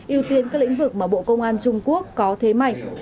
ưu tiên các lĩnh vực mà bộ công an trung quốc có thế mạnh